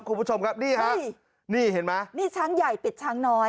คุณผู้ชมครับนี่ฮะนี่เห็นไหมนี่ช้างใหญ่ปิดช้างน้อย